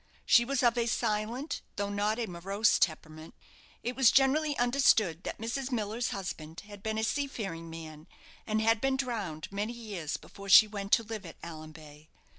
She was of a silent, though not a morose temperament. It was generally understood that Mrs. Miller's husband had been a seafaring man, and had been drowned many years before she went to live at Allanbay.